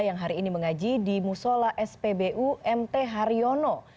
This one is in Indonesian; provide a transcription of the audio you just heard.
yang hari ini mengaji di musola spbu mt haryono